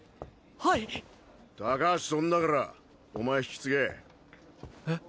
はい高橋飛んだからお前引き継げえっ？